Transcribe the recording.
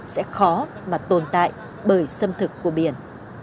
sẽ khó mà tồn tại bởi xâm thực của biển